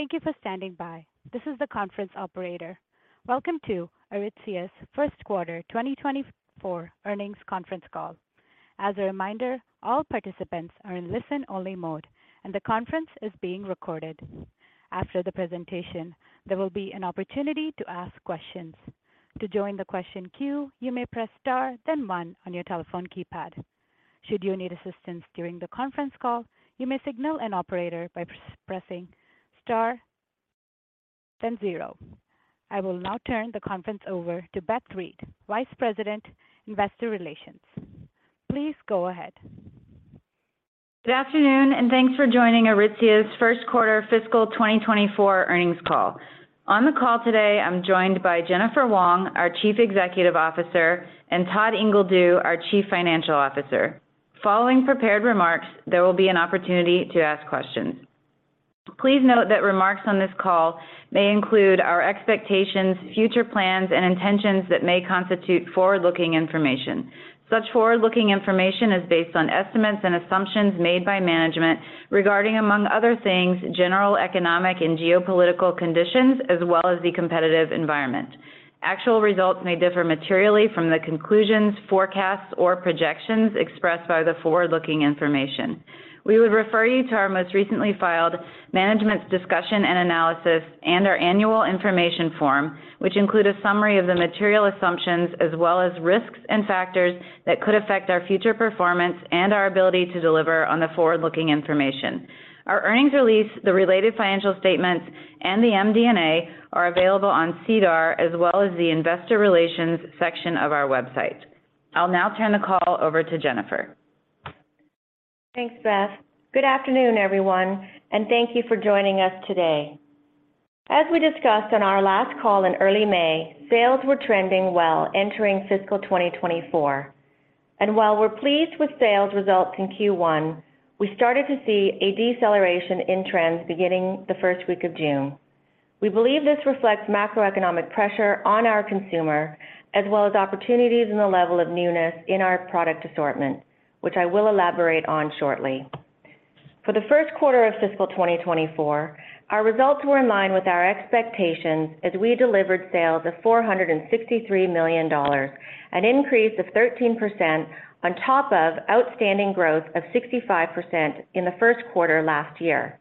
Thank you for standing by. This is the conference operator. Welcome to Aritzia's First Quarter 2024 Earnings Conference Call. As a reminder, all participants are in listen-only mode, and the conference is being recorded. After the presentation, there will be an opportunity to ask questions. To join the question queue, you may press Star, then one on your telephone keypad. Should you need assistance during the conference call, you may signal an operator by pressing Star then zero. I will now turn the conference over to Beth Reed, Vice President, Investor Relations. Please go ahead. Good afternoon, and thanks for joining Aritzia's first quarter fiscal 2024 earnings call. On the call today, I'm joined by Jennifer Wong, our Chief Executive Officer, and Todd Ingledew, our Chief Financial Officer. Following prepared remarks, there will be an opportunity to ask questions. Please note that remarks on this call may include our expectations, future plans, and intentions that may constitute forward-looking information. Such forward-looking information is based on estimates and assumptions made by management regarding, among other things, general economic and geopolitical conditions, as well as the competitive environment. Actual results may differ materially from the conclusions, forecasts, or projections expressed by the forward-looking information. We would refer you to our most recently filed management's discussion and analysis and our annual information form, which include a summary of the material assumptions as well as risks and factors that could affect our future performance and our ability to deliver on the forward-looking information. Our earnings release, the related financial statements, and the MD&A are available on SEDAR, as well as the investor relations section of our website. I'll now turn the call over to Jennifer. Thanks, Beth. Good afternoon, everyone, and thank you for joining us today. As we discussed on our last call in early May, sales were trending well entering fiscal 2024, and while we're pleased with sales results in Q1, we started to see a deceleration in trends beginning the first week of June. We believe this reflects macroeconomic pressure on our consumer, as well as opportunities in the level of newness in our product assortment, which I will elaborate on shortly. For the first quarter of fiscal 2024, our results were in line with our expectations as we delivered sales of 463 million dollars, an increase of 13% on top of outstanding growth of 65% in the first quarter last year.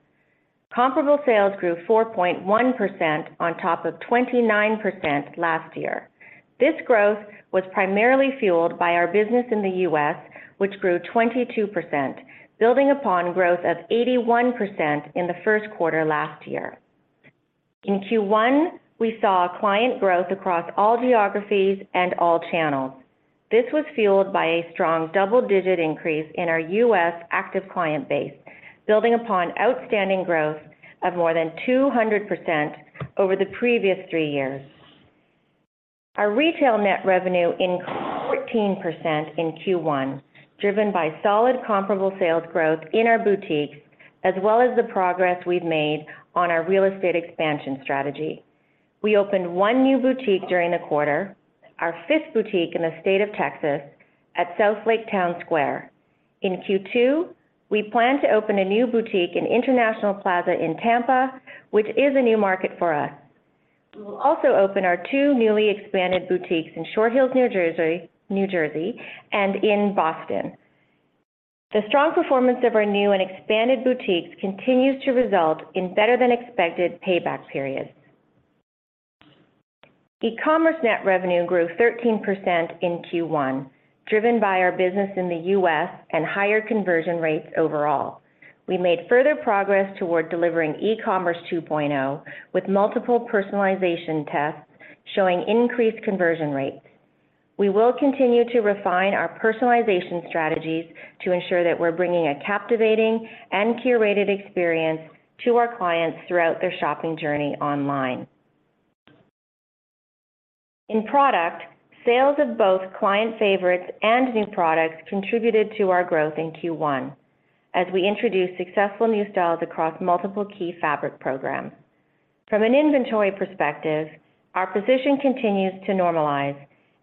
Comparable sales grew 4.1% on top of 29% last year. This growth was primarily fueled by our business in the U.S., which grew 22%, building upon growth of 81% in Q1 last year. In Q1, we saw a client growth across all geographies and all channels. This was fueled by a strong double-digit increase in our U.S. active client base, building upon outstanding growth of more than 200% over the previous 3 years. Our retail net revenue increased 14% in Q1, driven by solid comparable sales growth in our boutiques, as well as the progress we've made on our real estate expansion strategy. We opened one new boutique during the quarter, our fifth boutique in the state of Texas, at Southlake Town Square. In Q2, we plan to open a new boutique in International Plaza in Tampa, which is a new market for us. We will also open our two newly expanded boutiques in Short Hills, New Jersey, and in Boston. The strong performance of our new and expanded boutiques continues to result in better than expected payback periods. eCommerce net revenue grew 13% in Q1, driven by our business in the U.S. and higher conversion rates overall. We made further progress toward delivering eCommerce 2.0, with multiple personalization tests showing increased conversion rates. We will continue to refine our personalization strategies to ensure that we're bringing a captivating and curated experience to our clients throughout their shopping journey online. In product, sales of both client favorites and new products contributed to our growth in Q1 as we introduced successful new styles across multiple key fabric programs. From an inventory perspective, our position continues to normalize.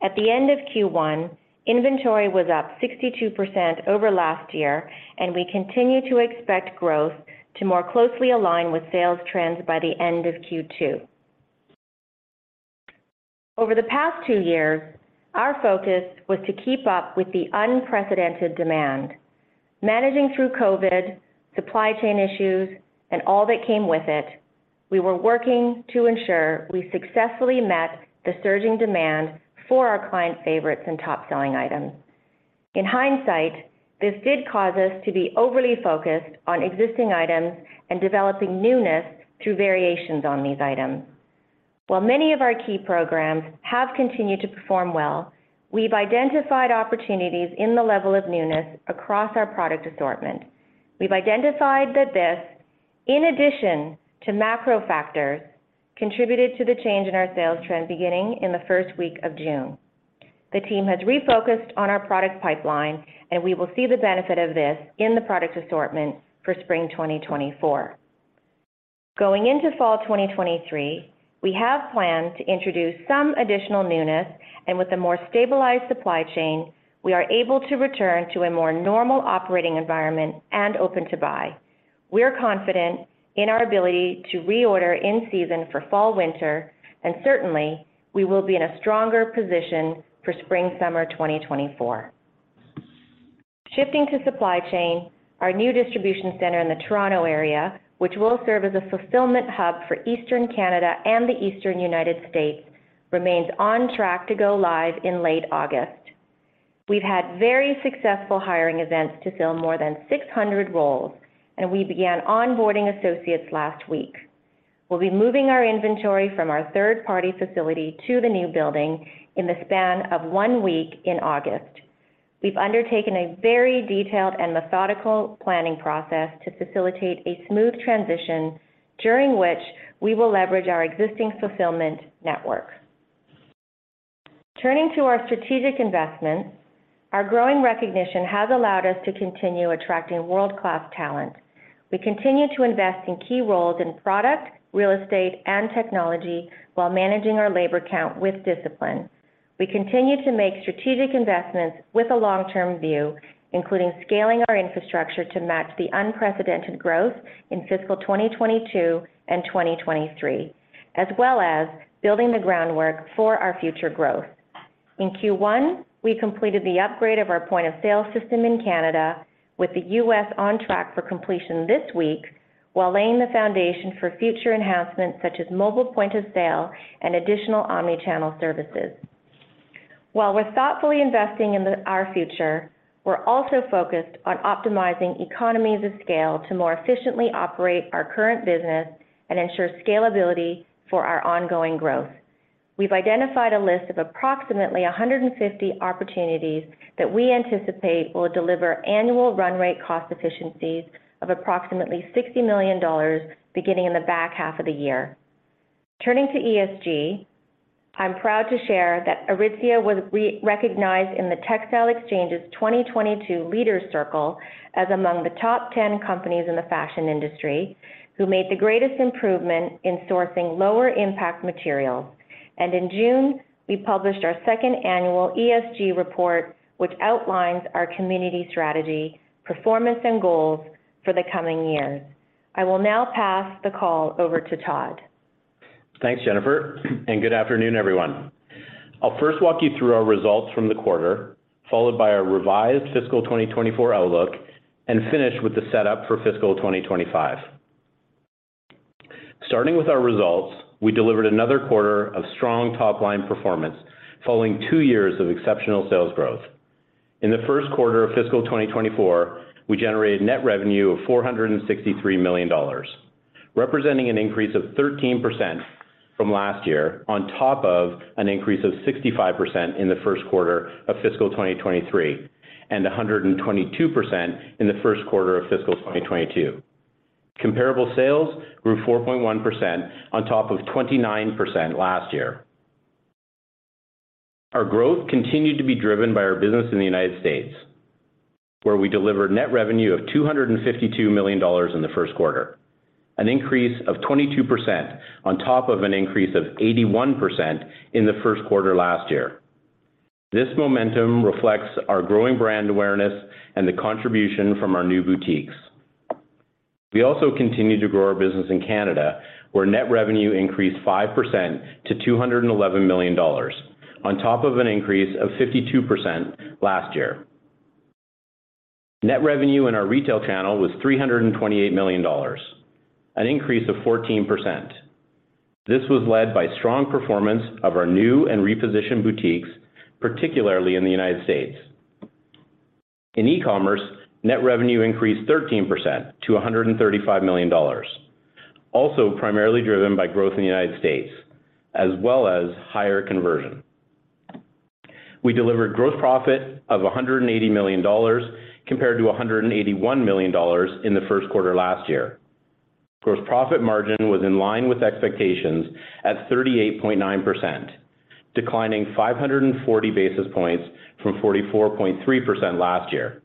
At the end of Q1, inventory was up 62% over last year, and we continue to expect growth to more closely align with sales trends by the end of Q2. Over the past two years, our focus was to keep up with the unprecedented demand. Managing through COVID, supply chain issues, and all that came with it, we were working to ensure we successfully met the surging demand for our client favorites and top-selling items. In hindsight, this did cause us to be overly focused on existing items and developing newness through variations on these items. While many of our key programs have continued to perform well, we've identified opportunities in the level of newness across our product assortment. We've identified that this, in addition to macro factors, contributed to the change in our sales trend beginning in the first week of June. The team has refocused on our product pipeline, and we will see the benefit of this in the product assortment for spring 2024. Going into fall 2023, we have planned to introduce some additional newness, and with a more stabilized supply chain, we are able to return to a more normal operating environment and open-to-buy. We are confident in our ability to reorder in season for fall/winter, and certainly, we will be in a stronger position for spring/summer 2024. Shifting to supply chain, our new distribution center in the Toronto area, which will serve as a fulfillment hub for Eastern Canada and the Eastern United States, remains on track to go live in late August. We've had very successful hiring events to fill more than 600 roles, and we began onboarding associates last week. We'll be moving our inventory from our third-party facility to the new building in the span of one week in August. We've undertaken a very detailed and methodical planning process to facilitate a smooth transition, during which we will leverage our existing fulfillment network. Turning to our strategic investments, our growing recognition has allowed us to continue attracting world-class talent. We continue to invest in key roles in product, real estate, and technology, while managing our labor count with discipline. We continue to make strategic investments with a long-term view, including scaling our infrastructure to match the unprecedented growth in fiscal 2022 and 2023, as well as building the groundwork for our future growth. In Q1, we completed the upgrade of our point-of-sale system in Canada, with the U.S. on track for completion this week, while laying the foundation for future enhancements such as mobile point-of-sale and additional omni-channel services. While we're thoughtfully investing in our future, we're also focused on optimizing economies of scale to more efficiently operate our current business and ensure scalability for our ongoing growth. We've identified a list of approximately 150 opportunities that we anticipate will deliver annual run rate cost efficiencies of approximately 60 million dollars beginning in the back half of the year. Turning to ESG, I'm proud to share that Aritzia was recognized in the Textile Exchange's 2022 Leaders Circle as among the top 10 companies in the fashion industry who made the greatest improvement in sourcing lower-impact materials. In June, we published our second annual ESG report, which outlines our community strategy, performance, and goals for the coming years. I will now pass the call over to Todd. Thanks, Jennifer, good afternoon, everyone. I'll first walk you through our results from the quarter, followed by our revised fiscal 2024 outlook, and finish with the setup for fiscal 2025. Starting with our results, we delivered another quarter of strong top-line performance, following two years of exceptional sales growth. In the first quarter of fiscal 2024, we generated net revenue of 463 million dollars, representing an increase of 13% from last year, on top of an increase of 65% in the first quarter of fiscal 2023, and 122% in the first quarter of fiscal 2022. Comparable sales grew 4.1% on top of 29% last year. Our growth continued to be driven by our business in the United States, where we delivered net revenue of $252 million in the first quarter, an increase of 22% on top of an increase of 81% in the first quarter last year. This momentum reflects our growing brand awareness and the contribution from our new boutiques. We also continued to grow our business in Canada, where net revenue increased 5% to 211 million dollars, on top of an increase of 52% last year. Net revenue in our retail channel was 328 million dollars, an increase of 14%. This was led by strong performance of our new and repositioned boutiques, particularly in the United States. In e-commerce, net revenue increased 13% to 135 million dollars, also primarily driven by growth in the United States, as well as higher conversion. We delivered gross profit of 180 million dollars, compared to 181 million dollars in the first quarter last year. Gross profit margin was in line with expectations at 38.9%, declining 540 basis points from 44.3% last year.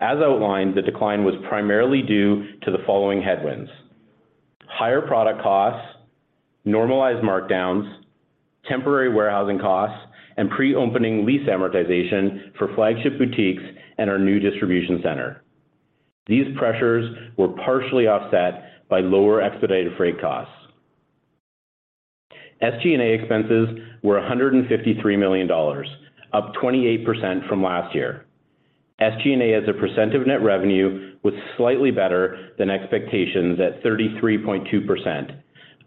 As outlined, the decline was primarily due to the following headwinds: higher product costs, normalized markdowns, temporary warehousing costs, and pre-opening lease amortization for flagship boutiques and our new distribution center. These pressures were partially offset by lower expedited freight costs. SG&A expenses were 153 million dollars, up 28% from last year. SG&A, as a percent of net revenue, was slightly better than expectations at 33.2%,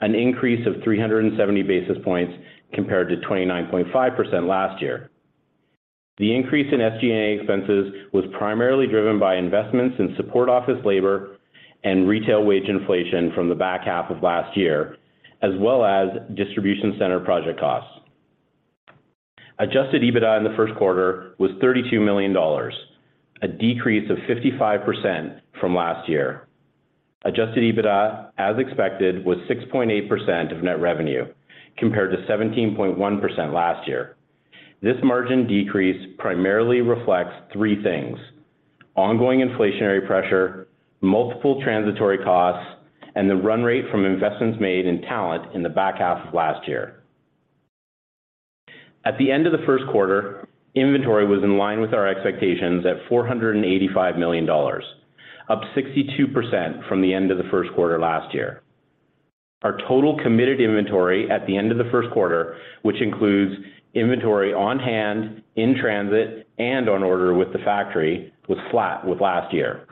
an increase of 370 basis points compared to 29.5% last year. The increase in SG&A expenses was primarily driven by investments in support office labor and retail wage inflation from the back half of last year, as well as distribution center project costs. Adjusted EBITDA in the first quarter was 32 million dollars, a decrease of 55% from last year. Adjusted EBITDA, as expected, was 6.8% of net revenue, compared to 17.1% last year. This margin decrease primarily reflects three things: ongoing inflationary pressure, multiple transitory costs, and the run rate from investments made in talent in the back half of last year. At the end of the first quarter, inventory was in line with our expectations at 485 million dollars, up 62% from the end of the first quarter last year. Our total committed inventory at the end of the first quarter, which includes inventory on hand, in transit, and on order with the factory, was flat with last year.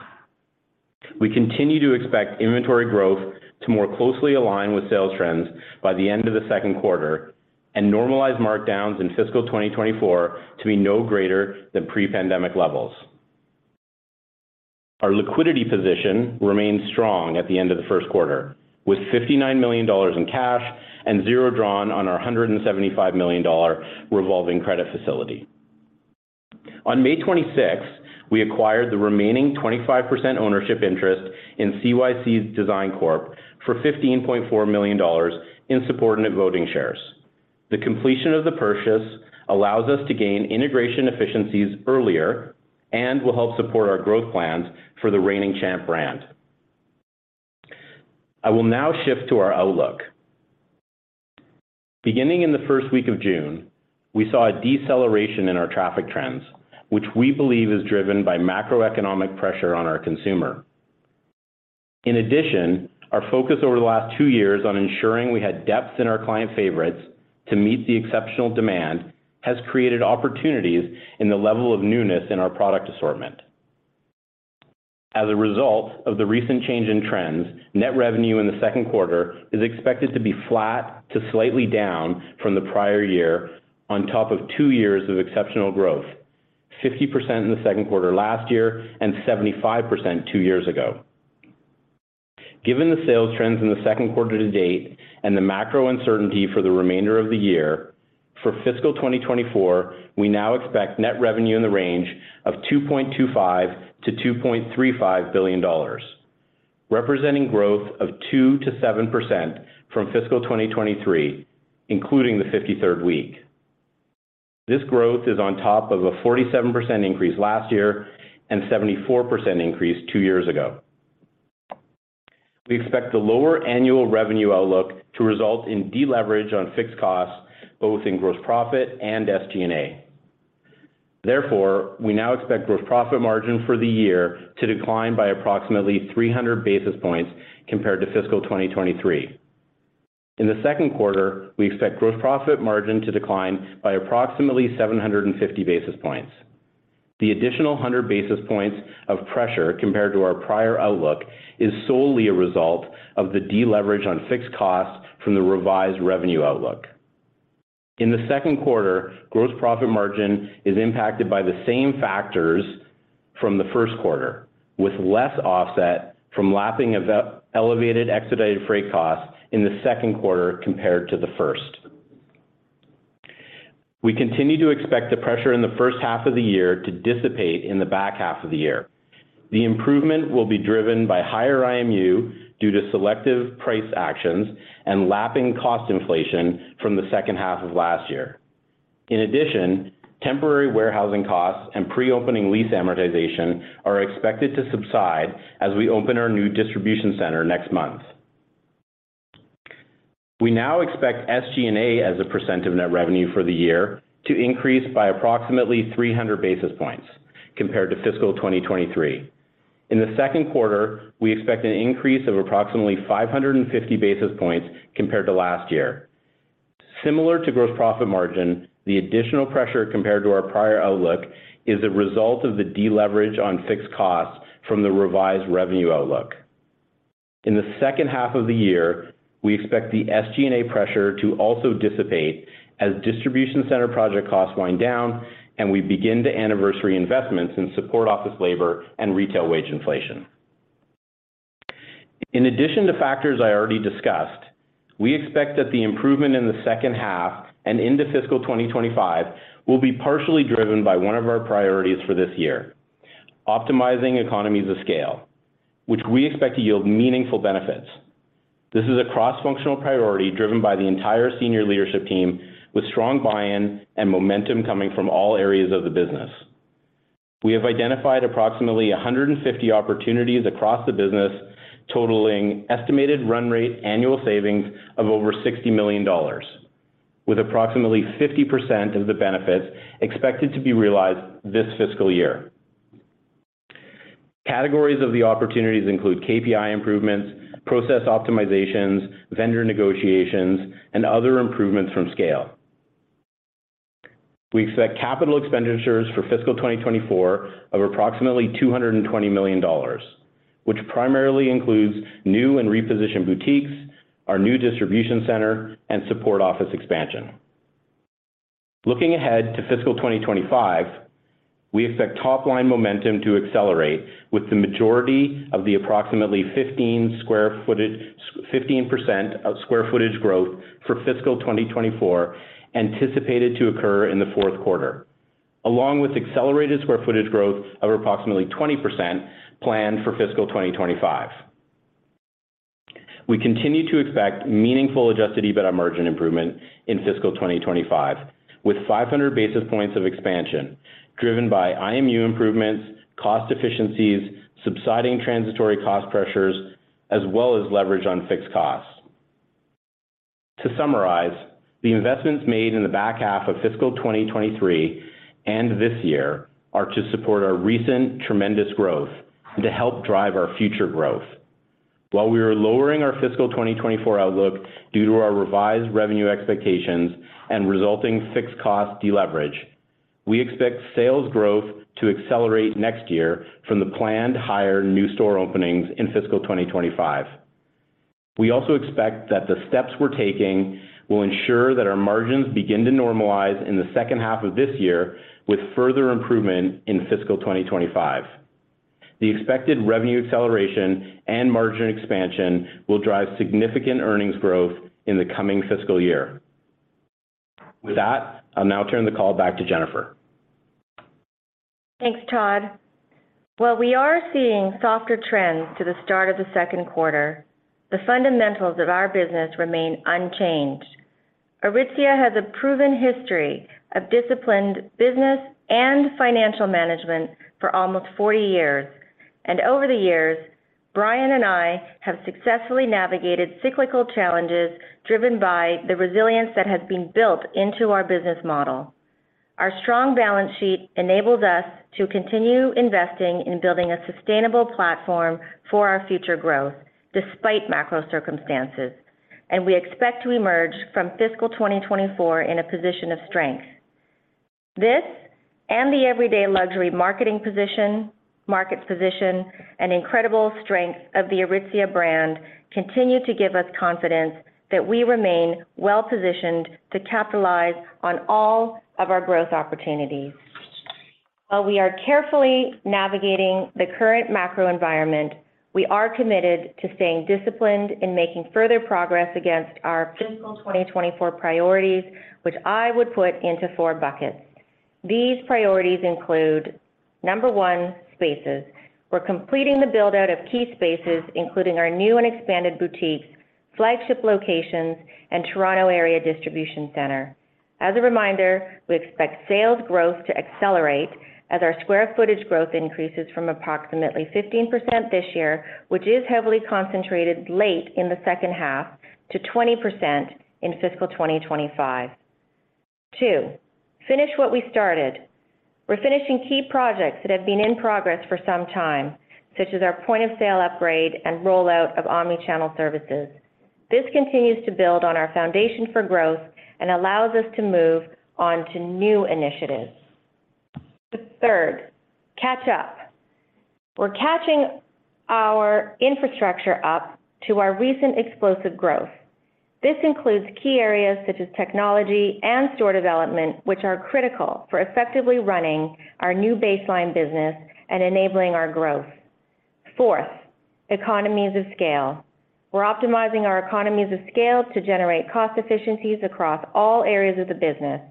We continue to expect inventory growth to more closely align with sales trends by the end of the second quarter and normalize markdowns in fiscal 2024 to be no greater than pre-pandemic levels. Our liquidity position remains strong at the end of the first quarter, with 59 million dollars in cash and 0 drawn on our 175 million dollar revolving credit facility. On May 26th, we acquired the remaining 25% ownership interest in CYC Design Corporation for 15.4 million dollars in subordinate voting shares. The completion of the purchase allows us to gain integration efficiencies earlier and will help support our growth plans for the Reigning Champ brand. I will now shift to our outlook. Beginning in the first week of June, we saw a deceleration in our traffic trends, which we believe is driven by macroeconomic pressure on our consumer. In addition, our focus over the last two years on ensuring we had depth in our client favorites to meet the exceptional demand, has created opportunities in the level of newness in our product assortment. As a result of the recent change in trends, net revenue in the second quarter is expected to be flat to slightly down from the prior year on top of two years of exceptional growth. 50% in the second quarter last year and 75% two years ago. Given the sales trends in the second quarter to date and the macro uncertainty for the remainder of the year, for fiscal 2024, we now expect net revenue in the range of 2.25 billion-2.35 billion dollars, representing growth of 2%-7% from fiscal 2023, including the 53rd week. This growth is on top of a 47% increase last year and 74% increase two years ago. We expect the lower annual revenue outlook to result in deleverage on fixed costs, both in gross profit and SG&A. We now expect gross profit margin for the year to decline by approximately 300 basis points compared to fiscal 2023. In the second quarter, we expect gross profit margin to decline by approximately 750 basis points. The additional 100 basis points of pressure compared to our prior outlook is solely a result of the deleverage on fixed costs from the revised revenue outlook. In the second quarter, gross profit margin is impacted by the same factors from the first quarter, with less offset from lapping of the elevated expedited freight costs in the second quarter compared to the first. We continue to expect the pressure in the first half of the year to dissipate in the back half of the year. The improvement will be driven by higher IMU due to selective price actions and lapping cost inflation from the second half of last year. In addition, temporary warehousing costs and pre-opening lease amortization are expected to subside as we open our new distribution center next month. We now expect SG&A as a % of net revenue for the year to increase by approximately 300 basis points compared to fiscal 2023. In the second quarter, we expect an increase of approximately 550 basis points compared to last year. Similar to gross profit margin, the additional pressure compared to our prior outlook is a result of the deleverage on fixed costs from the revised revenue outlook. In the second half of the year, we expect the SG&A pressure to also dissipate as distribution center project costs wind down and we begin to anniversary investments in support office labor and retail wage inflation. In addition to factors I already discussed, we expect that the improvement in the second half and into fiscal 2025 will be partially driven by one of our priorities for this year: optimizing economies of scale, which we expect to yield meaningful benefits. This is a cross-functional priority driven by the entire senior leadership team, with strong buy-in and momentum coming from all areas of the business. We have identified approximately 150 opportunities across the business, totaling estimated run rate annual savings of over 60 million dollars, with approximately 50% of the benefits expected to be realized this fiscal year. Categories of the opportunities include KPI improvements, process optimizations, vendor negotiations, and other improvements from scale. We expect capital expenditures for fiscal 2024 of approximately 220 million dollars, which primarily includes new and repositioned boutiques, our new distribution center, and support office expansion. Looking ahead to fiscal 2025, we expect top-line momentum to accelerate, with the majority of the approximately 15% of square footage growth for fiscal 2024 anticipated to occur in the fourth quarter, along with accelerated square footage growth of approximately 20% planned for fiscal 2025. We continue to expect meaningful adjusted EBITDA margin improvement in fiscal 2025, with 500 basis points of expansion driven by IMU improvements, cost efficiencies, subsiding transitory cost pressures, as well as leverage on fixed costs. To summarize, the investments made in the back half of fiscal 2023 and this year are to support our recent tremendous growth and to help drive our future growth. While we are lowering our fiscal 2024 outlook due to our revised revenue expectations and resulting fixed cost deleverage, we expect sales growth to accelerate next year from the planned higher new store openings in fiscal 2025. We also expect that the steps we're taking will ensure that our margins begin to normalize in the second half of this year, with further improvement in fiscal 2025. The expected revenue acceleration and margin expansion will drive significant earnings growth in the coming fiscal year. With that, I'll now turn the call back to Jennifer. Thanks, Todd. While we are seeing softer trends to the start of the second quarter, the fundamentals of our business remain unchanged. Aritzia has a proven history of disciplined business and financial management for almost 40 years. Over the years, Brian and I have successfully navigated cyclical challenges, driven by the resilience that has been built into our business model. Our strong balance sheet enables us to continue investing in building a sustainable platform for our future growth despite macro circumstances. We expect to emerge from fiscal 2024 in a position of strength. This and the Everyday Luxury marketing position, market position, and incredible strength of the Aritzia brand continue to give us confidence that we remain well positioned to capitalize on all of our growth opportunities. While we are carefully navigating the current macro environment, we are committed to staying disciplined in making further progress against our fiscal 2024 priorities, which I would put into four buckets. These priorities include, 1, spaces. We're completing the build-out of key spaces, including our new and expanded boutiques, flagship locations, and Toronto area distribution center. As a reminder, we expect sales growth to accelerate as our square footage growth increases from approximately 15% this year, which is heavily concentrated late in the second half, to 20% in fiscal 2025. 2, finish what we started. We're finishing key projects that have been in progress for some time, such as our point-of-sale upgrade and rollout of omni-channel services. This continues to build on our foundation for growth and allows us to move on to new initiatives. 3, catch up. We're catching our infrastructure up to our recent explosive growth. This includes key areas such as technology and store development, which are critical for effectively running our new baseline business and enabling our growth. Fourth, economies of scale. We're optimizing our economies of scale to generate cost efficiencies across all areas of the business.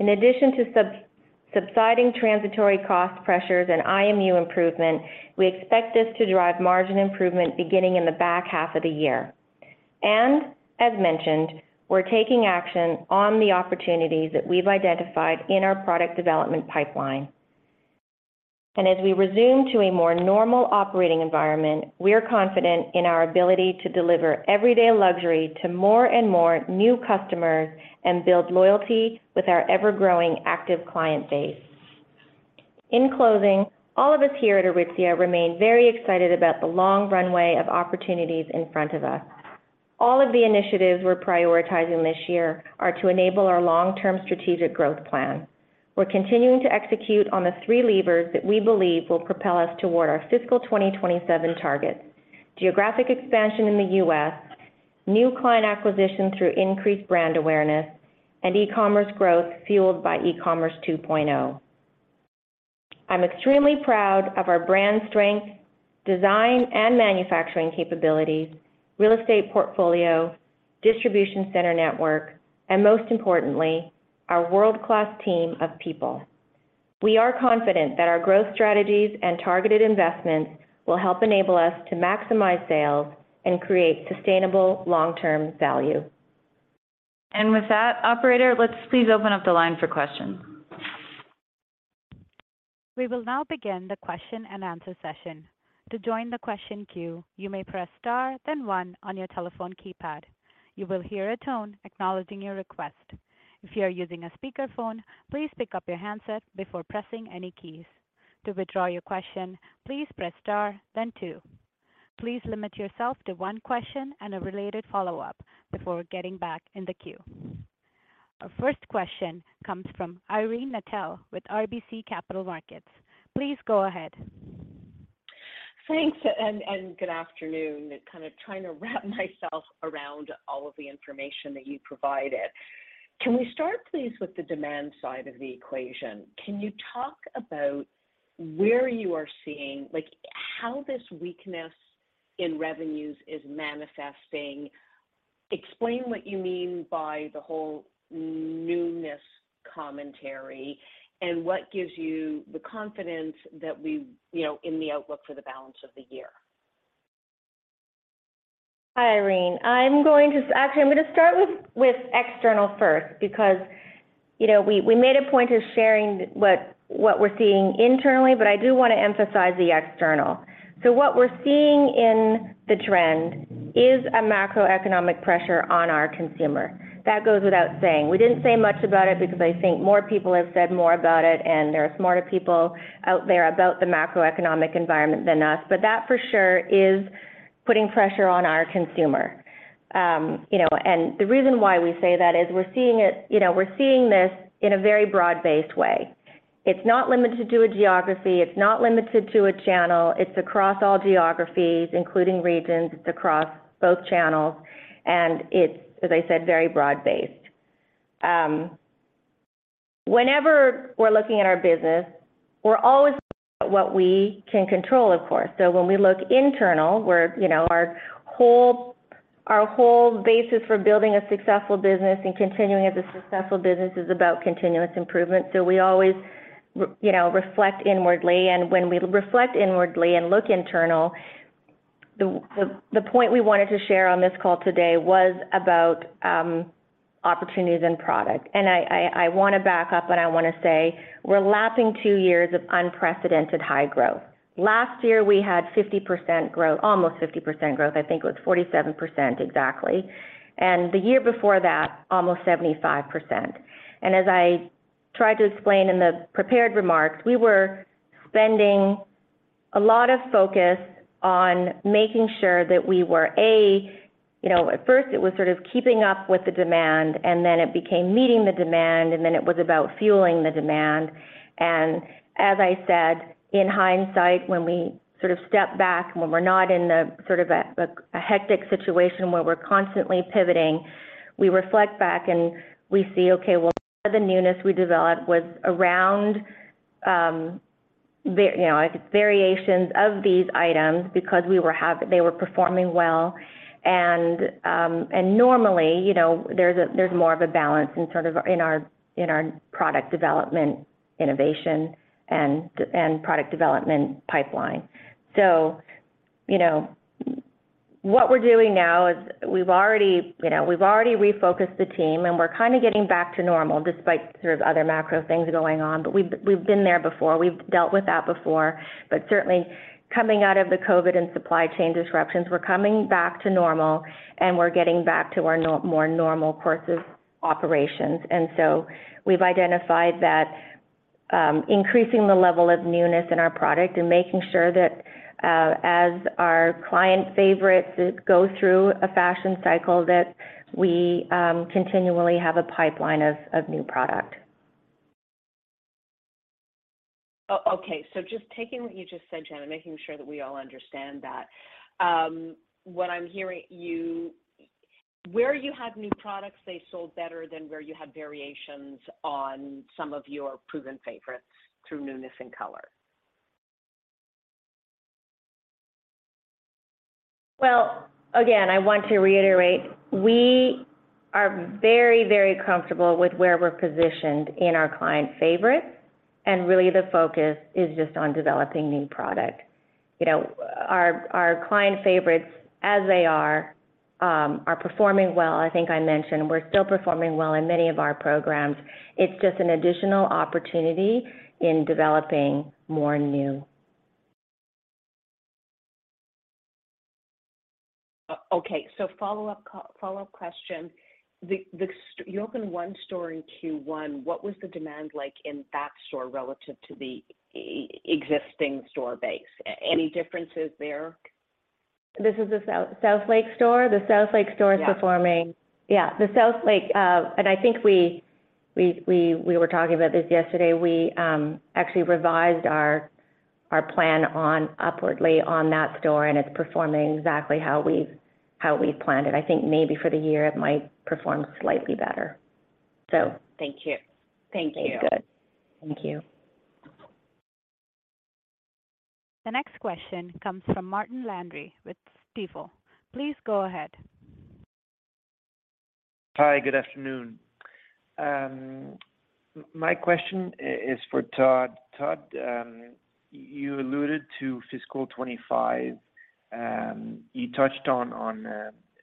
In addition to subsiding transitory cost pressures and IMU improvement, we expect this to drive margin improvement beginning in the back half of the year. As mentioned, we're taking action on the opportunities that we've identified in our product development pipeline. As we resume to a more normal operating environment, we are confident in our ability to deliver Everyday Luxury to more and more new customers and build loyalty with our ever-growing active client base. In closing, all of us here at Aritzia remain very excited about the long runway of opportunities in front of us. All of the initiatives we're prioritizing this year are to enable our long-term strategic growth plan. We're continuing to execute on the three levers that we believe will propel us toward our fiscal 2027 targets: geographic expansion in the US, new client acquisition through increased brand awareness, and eCommerce growth fueled by eCommerce 2.0. I'm extremely proud of our brand strength, design and manufacturing capabilities, real estate portfolio, distribution center network, and most importantly, our world-class team of people. We are confident that our growth strategies and targeted investments will help enable us to maximize sales and create sustainable long-term value. With that, operator, let's please open up the line for questions. We will now begin the question-and-answer session. To join the question queue, you may press star, then 1 on your telephone keypad. You will hear a tone acknowledging your request. If you are using a speakerphone, please pick up your handset before pressing any keys. To withdraw your question, please press star then 2. Please limit yourself to one question and a related follow-up before getting back in the queue. Our first question comes from Irene Nattel with RBC Capital Markets. Please go ahead. Thanks, good afternoon. Kind of trying to wrap myself around all of the information that you provided. Can we start, please, with the demand side of the equation? Can you talk about where you are seeing, like, how this weakness in revenues is manifesting? Explain what you mean by the whole newness commentary, what gives you the confidence that you know, in the outlook for the balance of the year? Hi, Irene. Actually, I'm going to start with external first, because, you know, we made a point of sharing what we're seeing internally, but I do want to emphasize the external. What we're seeing in the trend is a macroeconomic pressure on our consumer. That goes without saying. We didn't say much about it because I think more people have said more about it, and there are smarter people out there about the macroeconomic environment than us. That, for sure, is putting pressure on our consumer. You know, the reason why we say that is you know, we're seeing this in a very broad-based way. It's not limited to a geography, it's not limited to a channel. It's across all geographies, including regions. It's across both channels, and it's, as I said, very broad-based. Whenever we're looking at our business, we're always at what we can control, of course. When we look internal, you know, our whole basis for building a successful business and continuing as a successful business is about continuous improvement. We always you know, reflect inwardly, and when we reflect inwardly and look internal, the point we wanted to share on this call today was about opportunities and product. I want to back up, and I want to say we're lapsing 2 years of unprecedented high growth. Last year, we had 50% growth, almost 50% growth. I think it was 47%, exactly, and the year before that, almost 75%. As I tried to explain in the prepared remarks, we were spending a lot of focus on making sure that we were, A, you know, at first it was sort of keeping up with the demand, and then it became meeting the demand, and then it was about fueling the demand. As I said, in hindsight, when we sort of step back, when we're not in the sort of a hectic situation where we're constantly pivoting, we reflect back, and we see, okay, well, the newness we developed was around, you know, variations of these items because they were performing well. Normally, you know, there's more of a balance in sort of in our product development, innovation, and product development pipeline. You know, what we're doing now is we've already refocused the team, and we're kind of getting back to normal despite sort of other macro things going on. We've been there before. We've dealt with that before, but certainly coming out of the COVID and supply chain disruptions, we're coming back to normal, and we're getting back to our more normal courses operations. We've identified that increasing the level of newness in our product and making sure that as our client favorites go through a fashion cycle, that we continually have a pipeline of new product. Okay. Just taking what you just said, Jennifer, making sure that we all understand that. What I'm hearing where you had new products, they sold better than where you had variations on some of your proven favorites through newness and color? Well, again, I want to reiterate, we are very, very comfortable with where we're positioned in our client favorites, and really the focus is just on developing new product. You know, our client favorites, as they are performing well. I think I mentioned we're still performing well in many of our programs. It's just an additional opportunity in developing more new. Okay. Follow-up, follow-up question. You opened 1 store in Q1. What was the demand like in that store relative to the existing store base? Any differences there? This is the South Lake store? The South Lake store. Yeah. is performing. Yeah, the South Lake. I think we were talking about this yesterday. We actually revised our plan on upwardly on that store. It's performing exactly how we planned it. I think maybe for the year it might perform slightly better. Thank you. Thank you. Good. Thank you. The next question comes from Martin Landry with Stifel. Please go ahead. Hi, good afternoon. My question is for Todd. Todd, you alluded to fiscal 2025, you touched on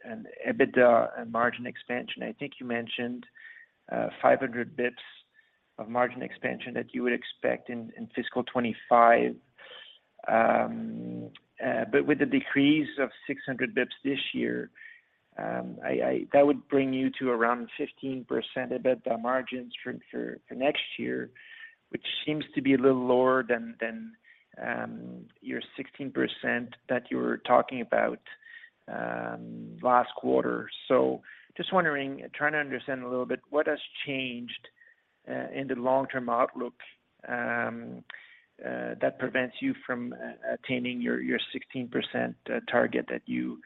an EBITDA and margin expansion. I think you mentioned 500 basis points of margin expansion that you would expect in fiscal 2025. With the decrease of 600 basis points this year, that would bring you to around 15% EBITDA margins for next year, which seems to be a little lower than your 16% that you were talking about last quarter. Just wondering, trying to understand a little bit, what has changed in the long-term outlook that prevents you from attaining your 16% target that you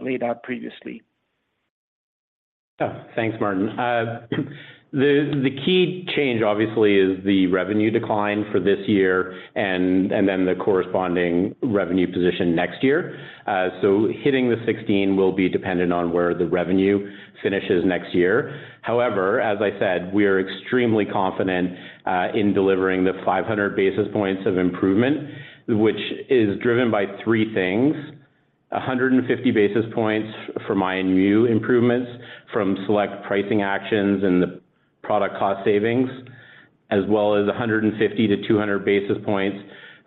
laid out previously? Thanks, Martin. The key change, obviously, is the revenue decline for this year and then the corresponding revenue position next year. Hitting the 16 will be dependent on where the revenue finishes next year. However, as I said, we are extremely confident in delivering the 500 basis points of improvement, which is driven by three things. 150 basis points for my new improvements from select pricing actions and the product cost savings, as well as 150-200 basis points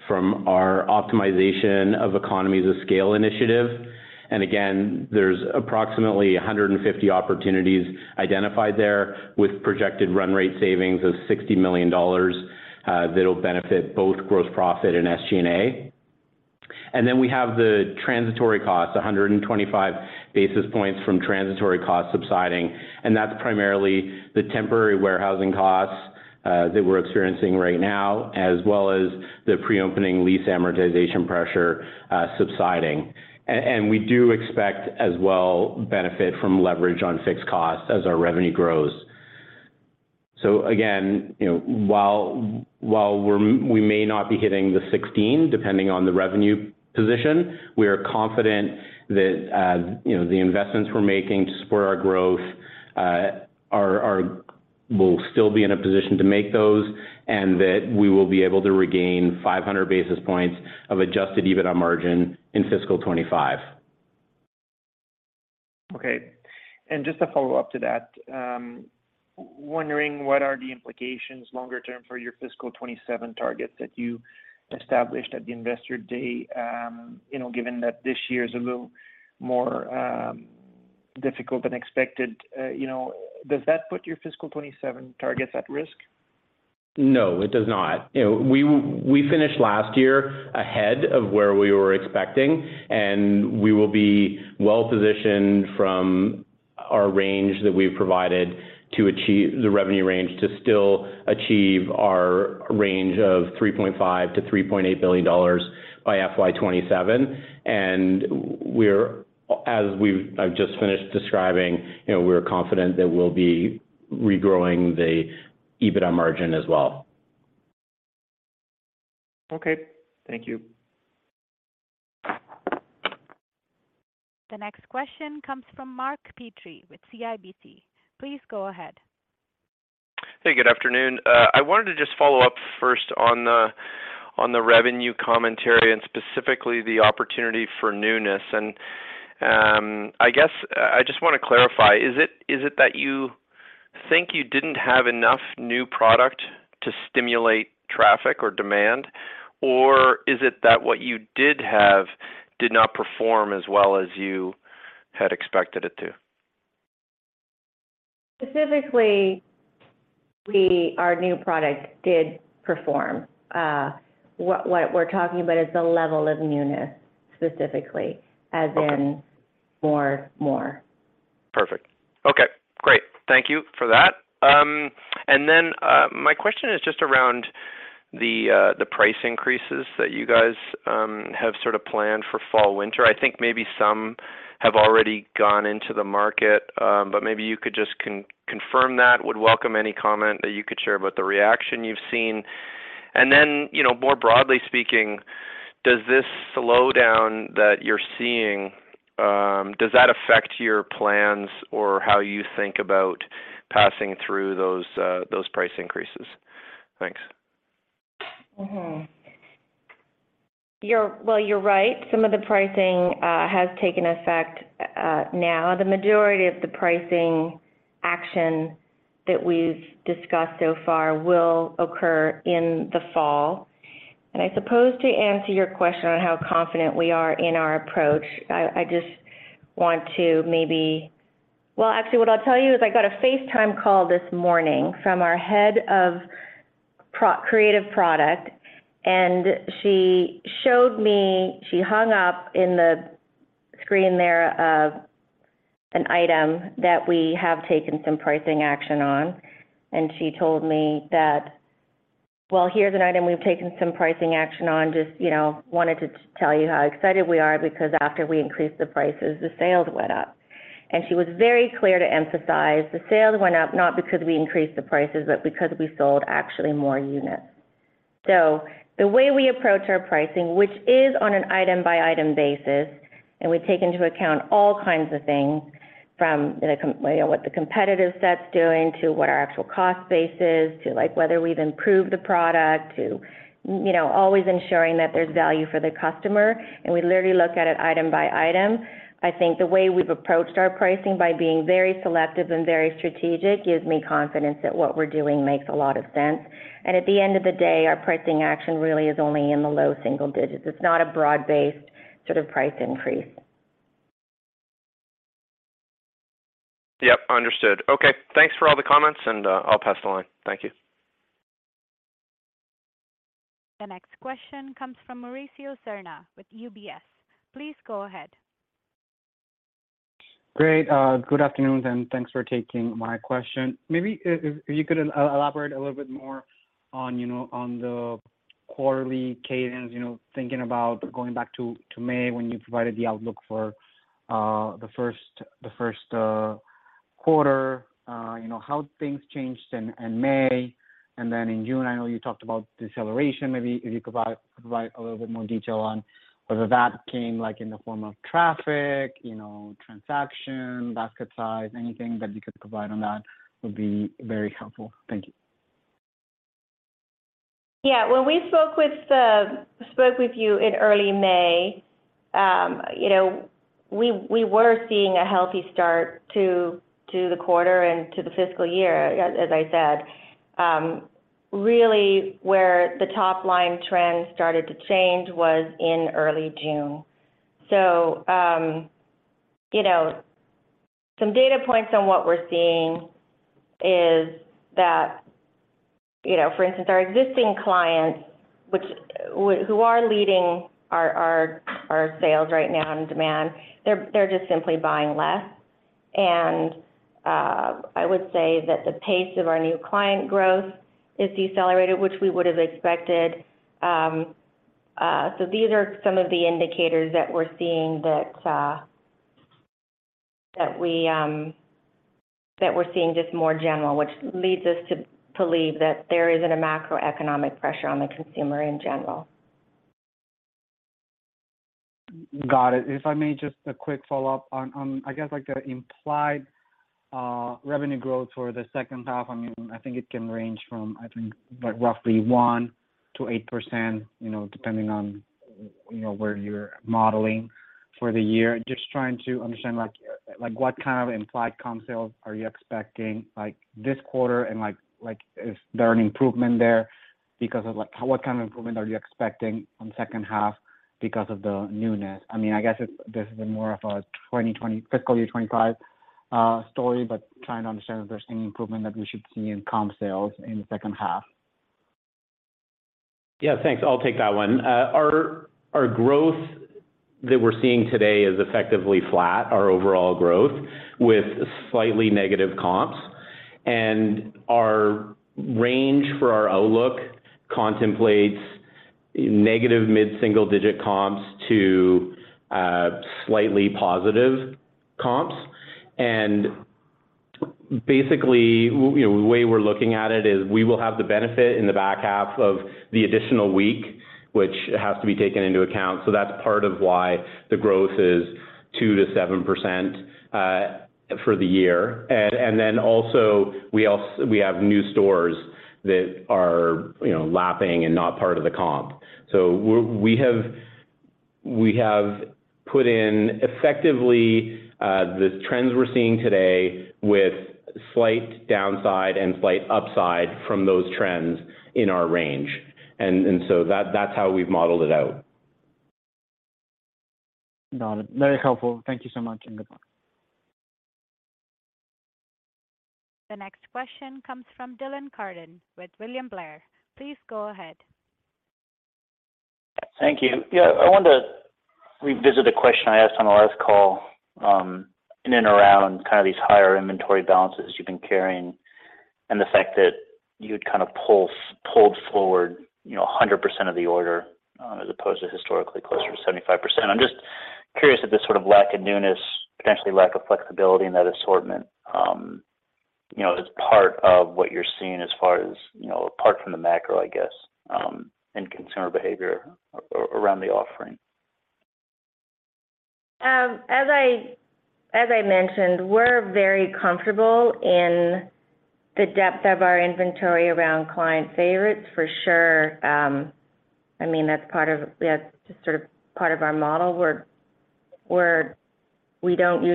from our optimization of economies of scale initiative. Again, there's approximately 150 opportunities identified there, with projected run rate savings of 60 million dollars, that'll benefit both gross profit and SG&A. We have the transitory costs, 125 basis points from transitory costs subsiding, and that's primarily the temporary warehousing costs that we're experiencing right now, as well as the pre-opening lease amortization pressure subsiding. We do expect as well, benefit from leverage on fixed costs as our revenue grows. Again, you know, while we're, we may not be hitting the 16, depending on the revenue position, we are confident that, you know, the investments we're making to spur our growth, we'll still be in a position to make those, and that we will be able to regain 500 basis points of adjusted EBITDA margin in fiscal 2025. Okay. Just to follow up to that, wondering what are the implications longer term for your fiscal 2027 targets that you established at the Investor Day, you know, given that this year is a little more difficult than expected, you know, does that put your fiscal 2027 targets at risk? No, it does not. You know, we finished last year ahead of where we were expecting, and we will be well-positioned from our range that we've provided to achieve the revenue range, to still achieve our range of 3.5 billion-3.8 billion dollars by FY2027. We're, I've just finished describing, you know, we're confident that we'll be regrowing the EBITDA margin as well. Okay, thank you. The next question comes from Mark Petrie with CIBC. Please go ahead. Hey, good afternoon. I wanted to just follow up first on the, on the revenue commentary and specifically the opportunity for newness. I guess I just want to clarify, is it, is it that you think you didn't have enough new product to stimulate traffic or demand? Or is it that what you did have did not perform as well as you had expected it to? have already gone into the market, but maybe you could just confirm that. Would welcome any comment that you could share about the reaction you've seen. You know, more broadly speaking, does this slowdown that you're seeing, does that affect your plans or how you think about passing through those price increases? Thanks. Well, you're right. Some of the pricing has taken effect now. The majority of the pricing action that we've discussed so far will occur in the fall. I suppose to answer your question on how confident we are in our approach, I just want to Well, actually, what I'll tell you is I got a FaceTime call this morning from our head of creative product, and she showed me, she hung up in the screen there, of an item that we have taken some pricing action on. She told me that, "Well, here's an item we've taken some pricing action on. Just, you know, wanted to tell you how excited we are, because after we increased the prices, the sales went up. She was very clear to emphasize the sales went up, not because we increased the prices, but because we sold actually more units. The way we approach our pricing, which is on an item-by-item basis, and we take into account all kinds of things, from what the competitive set's doing, to what our actual cost base is, to, like, whether we've improved the product to, you know, always ensuring that there's value for the customer, and we literally look at it item by item. I think the way we've approached our pricing by being very selective and very strategic, gives me confidence that what we're doing makes a lot of sense. At the end of the day, our pricing action really is only in the low single digits. It's not a broad-based sort of price increase. Yep, understood. Okay, thanks for all the comments, and, I'll pass the line. Thank you. The next question comes from Mauricio Serna with UBS. Please go ahead. Great. Good afternoon, and thanks for taking my question. Maybe if you could elaborate a little bit more on, you know, on the quarterly cadence, you know, thinking about going back to May, when you provided the outlook for the first quarter, you know, how things changed in May, and then in June, I know you talked about deceleration. Maybe if you could provide a little bit more detail on whether that came, like, in the form of traffic, you know, transaction, basket size, anything that you could provide on that would be very helpful. Thank you. Yeah, when we spoke with spoke with you in early May, you know, we were seeing a healthy start to the quarter and to the fiscal year, as I said. Really, where the top line trend started to change was in early June. You know, some data points on what we're seeing is that, you know, for instance, our existing clients, who are leading our sales right now and demand, they're just simply buying less. I would say that the pace of our new client growth is decelerated, which we would have expected. These are some of the indicators that we're seeing that we that we're seeing just more general, which leads us to believe that there is a macroeconomic pressure on the consumer in general. Got it. If I may, just a quick follow-up on, I guess, like, the implied revenue growth for the second half. I mean, I think it can range from, like roughly 1%-8%, you know, depending on where you're modeling for the year. Just trying to understand, like, what kind of implied comp sales are you expecting, like, this quarter? What kind of improvement are you expecting on second half because of the newness? I mean, I guess this is more of a fiscal year 2025 story, but trying to understand if there's any improvement that we should see in comp sales in the second half. Yeah, thanks. I'll take that one. Our growth that we're seeing today is effectively flat, our overall growth, with slightly negative comps. Our range for our outlook contemplates negative mid-single-digit comps to slightly positive comps. Basically, you know, the way we're looking at it is we will have the benefit in the back half of the additional week, which has to be taken into account. That's part of why the growth is 2%-7% for the year. We have new stores that are, you know, lapping and not part of the comp. We have put in, effectively, the trends we're seeing today with slight downside and slight upside from those trends in our range. That's how we've modeled it out. Got it. Very helpful. Thank you so much, and goodbye. The next question comes from Dylan Carden with William Blair. Please go ahead. Thank you. Yeah, I wanted to revisit a question I asked on the last call, in and around kind of these higher inventory balances you've been carrying and the fact that you'd kind of pulled forward, you know, 100% of the order, as opposed to historically closer to 75%. I'm just curious if this sort of lack of newness, potentially lack of flexibility in that assortment, you know, is part of what you're seeing as far as, you know, apart from the macro, I guess, and consumer behavior around the offering. As I mentioned, we're very comfortable in the depth of our inventory around client favorites, for sure. I mean, that's just sort of part of our model, where we don't usually we don't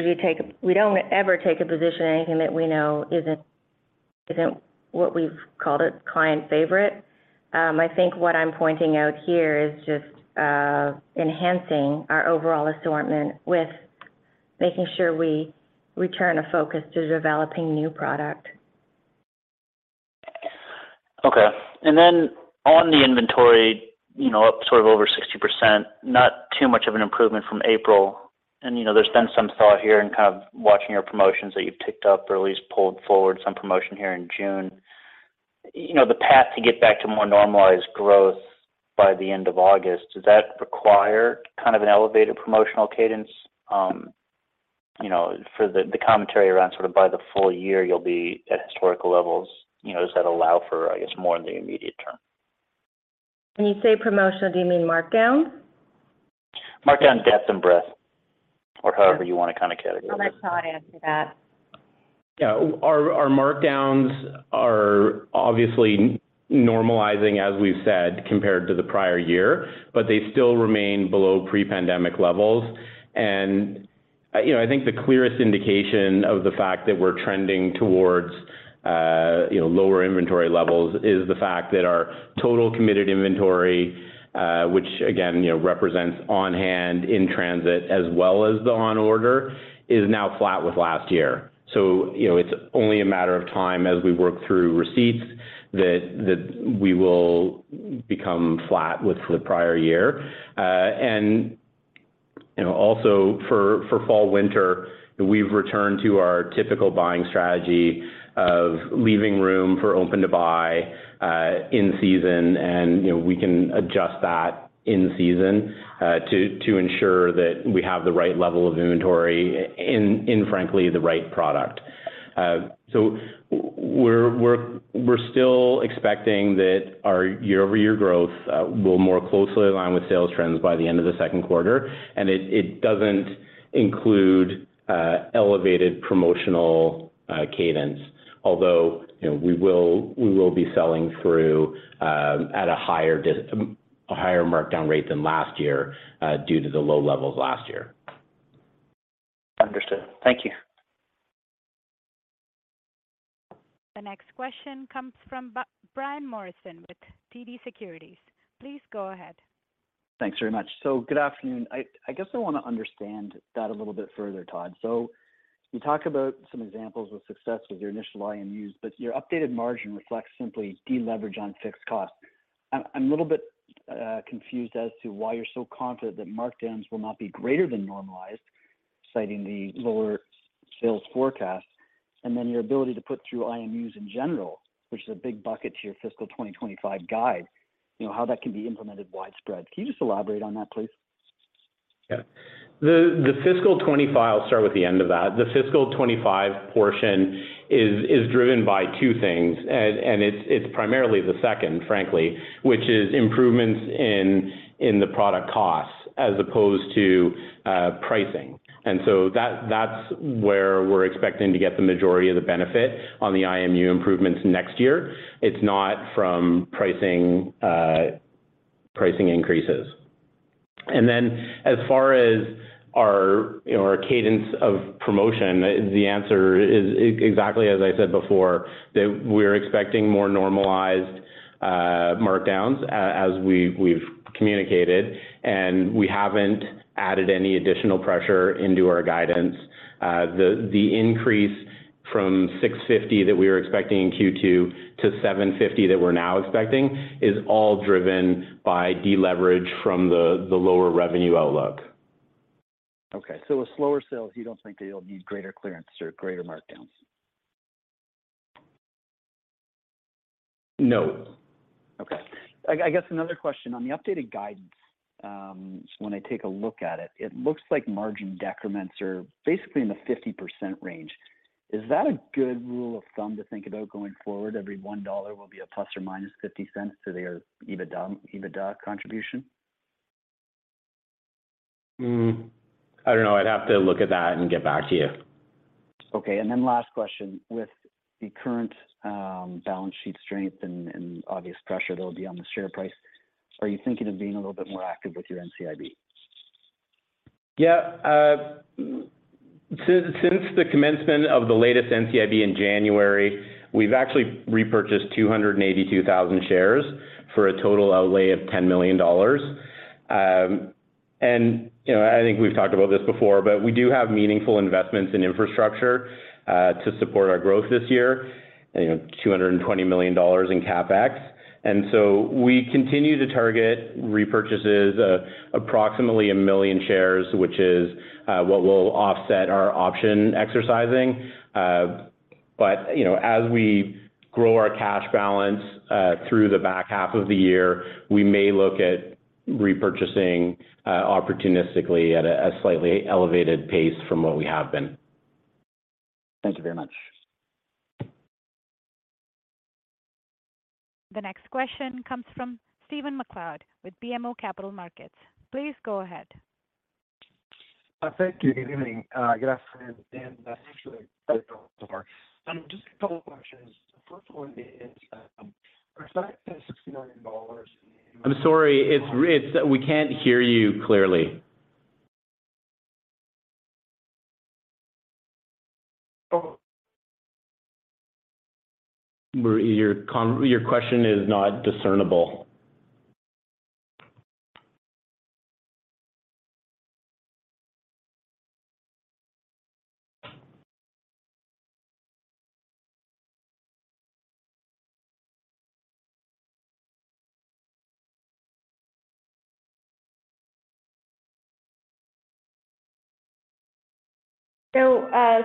ever take a position on anything that we know isn't what we've called a client favorite. I think what I'm pointing out here is just enhancing our overall assortment with making sure we return a focus to developing new product. Okay. Then on the inventory, you know, up sort of over 60%, not too much of an improvement from April. You know, there's been some thought here and kind of watching your promotions that you've ticked up or at least pulled forward some promotion here in June. You know, the path to get back to more normalized growth by the end of August, does that require kind of an elevated promotional cadence, you know, for the commentary around sort of by the full year, you'll be at historical levels? You know, does that allow for, I guess, more in the immediate term? When you say promotional, do you mean markdown? Markup, depth, and breadth, or however you want to kind of categorize it. I'll let Todd answer that. Yeah. Our, our markdowns are obviously normalizing, as we've said, compared to the prior year, but they still remain below pre-pandemic levels. You know, I think the clearest indication of the fact that we're trending towards, you know, lower inventory levels is the fact that our total committed inventory, which again, you know, represents on-hand, in-transit, as well as the on-order, is now flat with last year. You know, it's only a matter of time as we work through receipts that we will become flat with the prior year. You know, also for fall/winter, we've returned to our typical buying strategy of leaving room for open-to-buy in season, and, you know, we can adjust that in season to ensure that we have the right level of inventory in frankly, the right product. We're still expecting that our year-over-year growth will more closely align with sales trends by the end of the second quarter. It doesn't include elevated promotional cadence. Although, you know, we will be selling through at a higher markdown rate than last year due to the low levels last year. Understood. Thank you. The next question comes from Brian Morrison with TD Securities. Please go ahead. Thanks very much. Good afternoon. I guess I wanna understand that a little bit further, Todd. You talked about some examples of success with your initial IMUs, but your updated margin reflects simply deleverage on fixed costs. I'm a little bit confused as to why you're so confident that markdowns will not be greater than normalized, citing the lower sales forecast, and then your ability to put through IMUs in general, which is a big bucket to your fiscal 2025 guide, you know, how that can be implemented widespread. Can you just elaborate on that, please? Yeah. The fiscal 2025... I'll start with the end of that. The fiscal 2025 portion is driven by two things, and it's primarily the second, frankly, which is improvements in the product costs as opposed to pricing. That's where we're expecting to get the majority of the benefit on the IMU improvements next year. It's not from pricing increases. As far as our, you know, our cadence of promotion, the answer is exactly as I said before, that we're expecting more normalized markdowns as we've communicated, and we haven't added any additional pressure into our guidance. The increase from 650 that we were expecting in Q2 to 750 that we're now expecting, is all driven by deleverage from the lower revenue outlook. Okay. With slower sales, you don't think that you'll need greater clearance or greater markdowns? No. I guess another question. On the updated guidance, when I take a look at it looks like margin decrements are basically in the 50% range. Is that a good rule of thumb to think about going forward? Every 1 dollar will be a plus or minus 0.50 to their EBITDA contribution? I don't know. I'd have to look at that and get back to you. Last question: With the current balance sheet strength and obvious pressure that will be on the share price, are you thinking of being a little bit more active with your NCIB? Yeah, since the commencement of the latest NCIB in January, we've actually repurchased 282,000 shares for a total outlay of 10 million dollars. You know, I think we've talked about this before, but we do have meaningful investments in infrastructure to support our growth this year, you know, 220 million dollars in CapEx. We continue to target repurchases of approximately 1 million shares, which is what will offset our option exercising. You know, as we grow our cash balance through the back half of the year, we may look at repurchasing opportunistically at a slightly elevated pace from what we have been. Thank you very much. The next question comes from Stephen MacLeod with BMO Capital Markets. Please go ahead. Thank you. Good evening, good afternoon, Just a couple of questions. First one is, are $60 million- I'm sorry, it's... We can't hear you clearly. Oh. Your question is not discernible.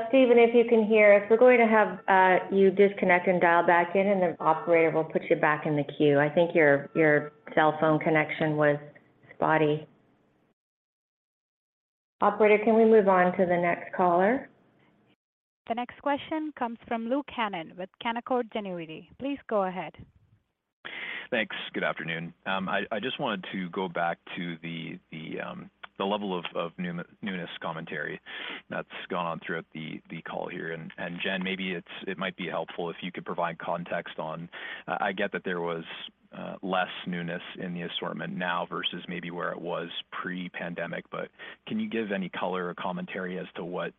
Stephen, if you can hear us, we're going to have you disconnect and dial back in, and the operator will put you back in the queue. I think your cell phone connection was spotty. Operator, can we move on to the next caller? The next question comes from Luke Hannan with Canaccord Genuity. Please go ahead. Thanks. Good afternoon. I just wanted to go back to the level of newness commentary that's gone on throughout the call here. Jen, maybe it might be helpful if you could provide context on... I get that there was less newness in the assortment now versus maybe where it was pre-pandemic. Can you give any color or commentary as to what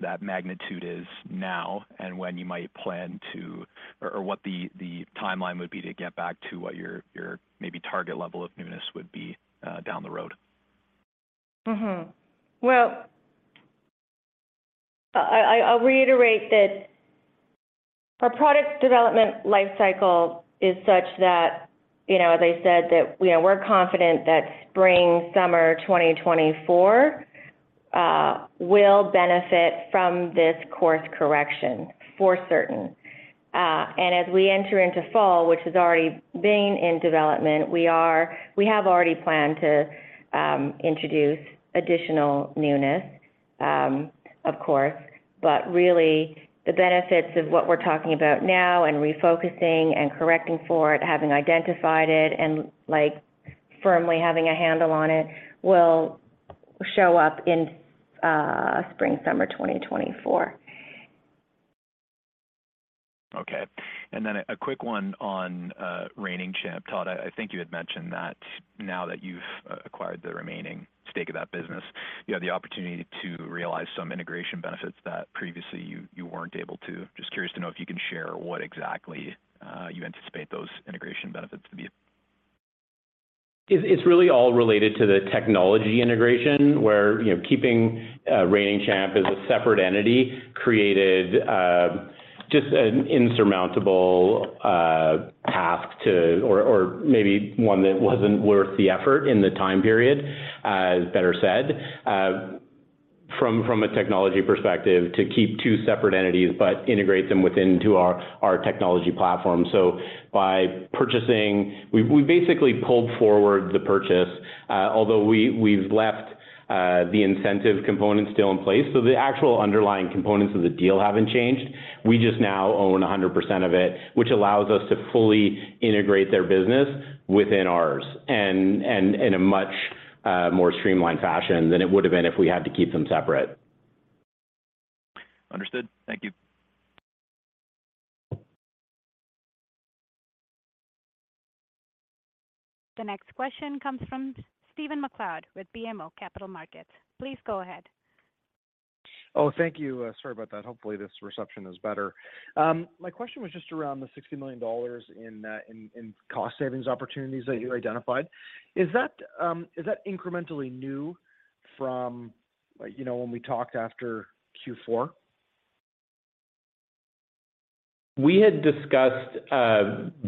that magnitude is now and when you might plan to, or what the timeline would be to get back to what your maybe target level of newness would be down the road? Well, I'll reiterate that our product development life cycle is such that, you know, as I said, that, you know, we're confident that spring, summer 2024 will benefit from this course correction for certain. As we enter into fall, which is already been in development, we have already planned to introduce additional newness, of course. Really, the benefits of what we're talking about now and refocusing and correcting for it, having identified it, and, like, firmly having a handle on it, will show up in spring, summer 2024. Okay. A quick one on Reigning Champ. Todd, I think you had mentioned that now that you've acquired the remaining stake of that business, you have the opportunity to realize some integration benefits that previously you weren't able to. Just curious to know if you can share what exactly you anticipate those integration benefits to be? It's really all related to the technology integration, where, you know, keeping Reigning Champ as a separate entity created just an insurmountable task, or maybe one that wasn't worth the effort in the time period, as better said, from a technology perspective, to keep two separate entities, but integrate them within to our technology platform. By purchasing, we basically pulled forward the purchase, although we've left the incentive components still in place. The actual underlying components of the deal haven't changed. We just now own 100% of it, which allows us to fully integrate their business within ours, and in a much more streamlined fashion than it would have been if we had to keep them separate. Understood. Thank you. The next question comes from Stephen MacLeod with BMO Capital Markets. Please go ahead. Thank you. Sorry about that. Hopefully, this reception is better. My question was just around the 60 million dollars in cost savings opportunities that you identified. Is that incrementally new from, you know, when we talked after Q4? We had discussed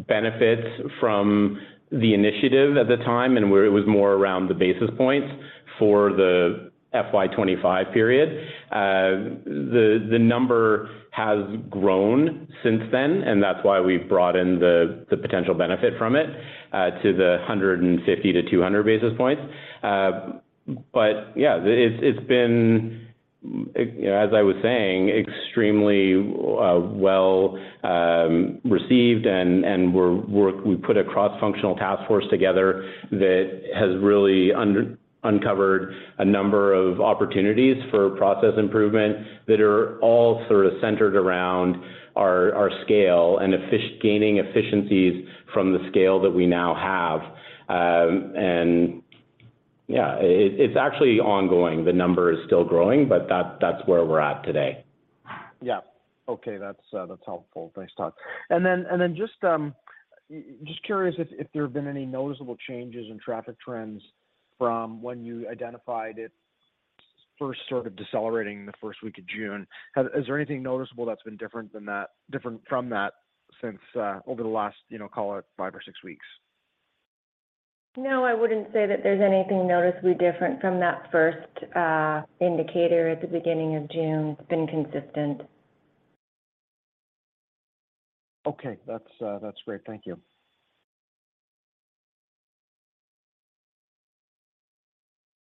benefits from the initiative at the time, and where it was more around the basis points for the FY2025 period. The number has grown since then, and that's why we've brought in the potential benefit from it to the 150 to 200 basis points. Yeah, it's been, as I was saying, extremely well received, and we put a cross-functional task force together that has really uncovered a number of opportunities for process improvement that are all sort of centered around our scale and gaining efficiencies from the scale that we now have. Yeah, it's actually ongoing. The number is still growing, but that's where we're at today. Yeah. Okay. That's, that's helpful. Thanks, Todd. Just, just curious if there have been any noticeable changes in traffic trends from when you identified it first sort of decelerating the first week of June. Is there anything noticeable that's been different from that since over the last, you know, call it five or six weeks? No, I wouldn't say that there's anything noticeably different from that first indicator at the beginning of June. It's been consistent. Okay. That's, that's great. Thank you.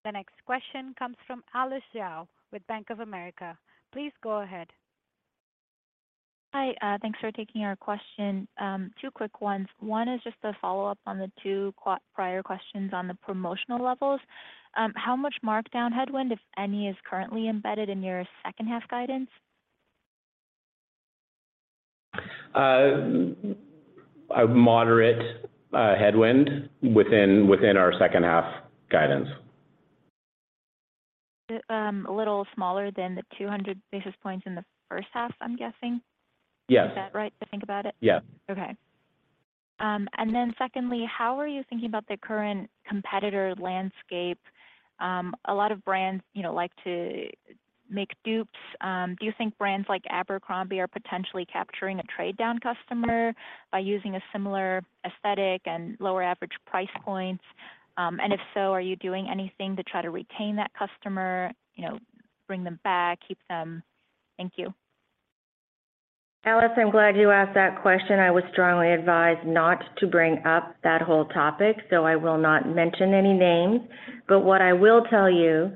The next question comes from Alice Xiao with Bank of America. Please go ahead. Hi, thanks for taking our question. Two quick ones. One is just a follow-up on the two prior questions on the promotional levels. How much markdown headwind, if any, is currently embedded in your second half guidance? A moderate headwind within our second half guidance. a little smaller than the 200 basis points in the first half, I'm guessing? Yes. Is that right to think about it? Yeah. Okay. Secondly, how are you thinking about the current competitor landscape? A lot of brands, you know, like to make dupes. Do you think brands like Abercrombie are potentially capturing a trade-down customer by using a similar aesthetic and lower average price points? If so, are you doing anything to try to retain that customer, you know, bring them back, keep them. Thank you. Alice, I'm glad you asked that question. I was strongly advised not to bring up that whole topic, I will not mention any names. What I will tell you,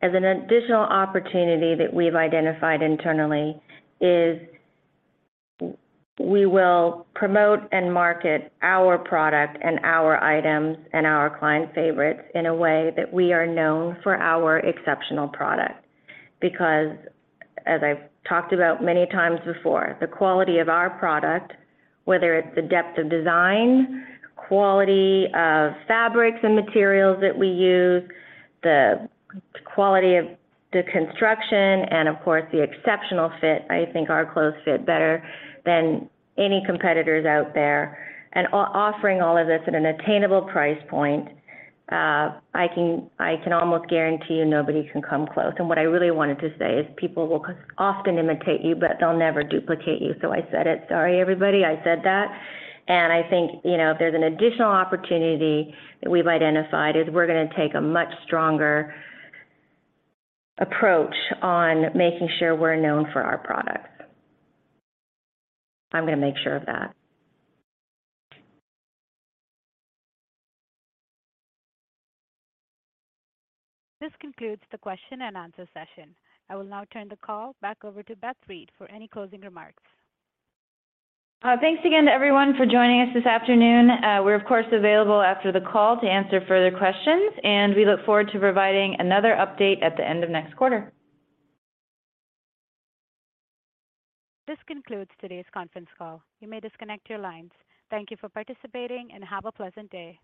as an additional opportunity that we've identified internally, is we will promote and market our product and our items and our client favorites in a way that we are known for our exceptional product. As I've talked about many times before, the quality of our product, whether it's the depth of design, quality of fabrics and materials that we use, the quality of the construction, and of course, the exceptional fit. I think our clothes fit better than any competitors out there. Offering all of this at an attainable price point, I can almost guarantee you nobody can come close. What I really wanted to say is people will often imitate you, but they'll never duplicate you. I said it. Sorry, everybody, I said that. I think, you know, if there's an additional opportunity that we've identified, is we're gonna take a much stronger approach on making sure we're known for our products. I'm gonna make sure of that. This concludes the question and answer session. I will now turn the call back over to Beth Reed for any closing remarks. Thanks again to everyone for joining us this afternoon. We're, of course, available after the call to answer further questions, and we look forward to providing another update at the end of next quarter. This concludes today's conference call. You may disconnect your lines. Thank you for participating, and have a pleasant day.